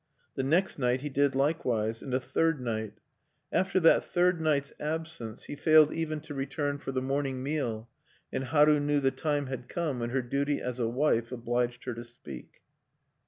The next night he did likewise, and a third night. After that third night's absence he failed even to return for the morning meal; and Haru knew the time had come when her duty as a wife obliged her to speak.